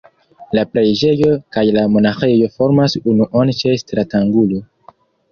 La preĝejo kaj la monaĥejo formas unuon ĉe stratangulo.